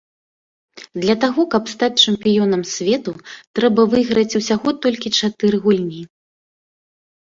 Для таго каб стаць чэмпіёнам свету, трэба выйграць усяго толькі чатыры гульні.